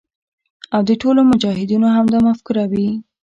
او د ټولو مجاهدینو همدا مفکوره وي.